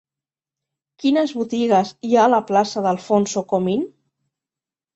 Quines botigues hi ha a la plaça d'Alfonso Comín?